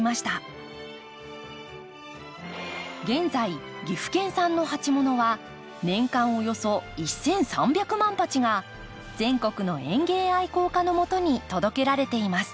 現在岐阜県産の鉢物は年間およそ１，３００万鉢が全国の園芸愛好家のもとに届けられています。